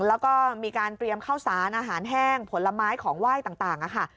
แล้วก็มีการเตรียมข้าวสารอาหารแห้งผลไม้ของไหว้ต่างค่ะ